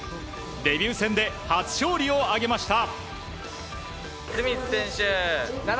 デビュー戦で初勝利を挙げました。